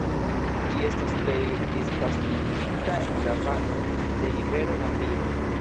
Ĝi estas plej disvastiĝinta en la valo de rivero Gambio.